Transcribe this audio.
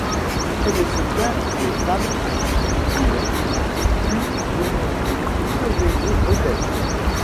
Il connaissait bien des femmes à qui il eût pu demander de surveiller Odette.